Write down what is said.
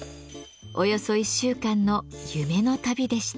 およそ１週間の夢の旅でした。